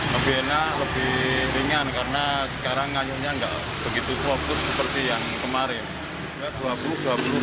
lebih enak lebih ringan karena sekarang nganjuknya nggak begitu fokus seperti yang kemarin